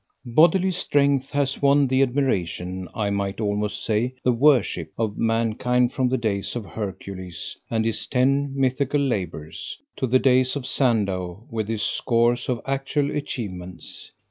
Bodily strength has won the admiration I might almost say, the worship of mankind from the days of Hercules and his ten mythical labors, to the days of Sandow with his scores of actual achievements.